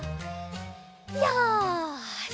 よし。